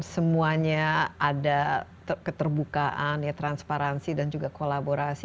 semuanya ada keterbukaan transparansi dan juga kolaborasi